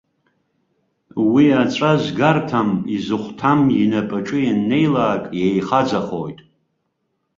Уи аҵәа згарҭам, изыхәҭам инапаҿы ианнеилак еихаӡахоит.